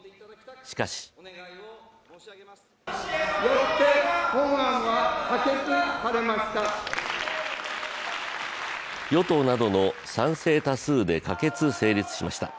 しかし与党などの賛成多数で可決・成立しました。